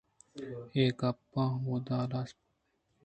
اے گپ ہمودا ہلاس بوتگ اَت